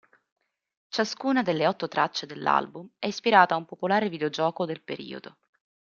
Ciascuna delle otto tracce dell'album è ispirata a un popolare videogioco del periodo..